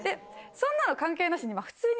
そんなの関係なしに。